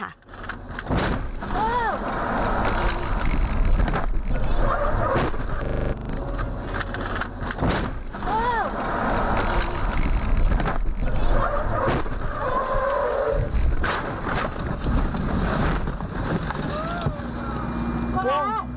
ว้าว